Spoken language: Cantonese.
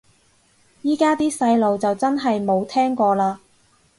依家啲細路就真係冇聽過嘞